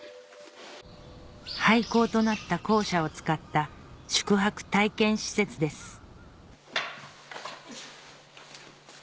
廃校となった校舎を使った宿泊体験施設です